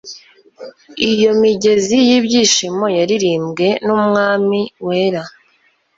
iyo migezi y'ibyishimo yaririmbwe n'umwami wera